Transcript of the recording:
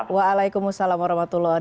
waalaikumsalam warahmatullahi wabarakatuh